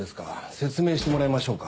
説明してもらいましょうか。